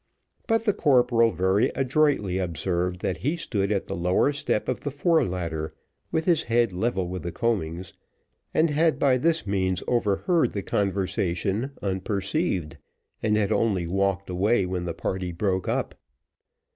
But the corporal very adroitly observed, that he stood at the lower step of the fore ladder, with his head level with the coamings; and had, by this means, overheard the conversation unperceived, and had only walked away when the party broke up.